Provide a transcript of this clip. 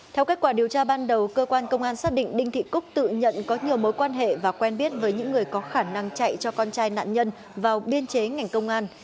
theo kết quả điều tra ban đầu cơ quan công an xác định đinh thị cúc tự nhận có nhiều mối quan hệ và quen biết với những người có khả năng chạy cho con trai nạn nhân vào biên chế ngành công an